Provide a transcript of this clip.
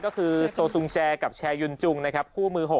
ก็คือโซซุงเจและแชยุนจุงคู่มือ๖